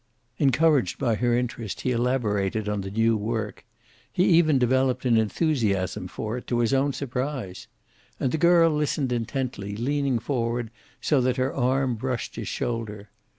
Encouraged by her interest, he elaborated on the new work. He even developed an enthusiasm for it, to his own surprise. And the girl listened intently, leaning forward so that her arm brushed his shoulder.